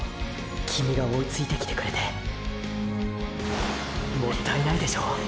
キミが追いついてきてくれてもったいないでしょ！！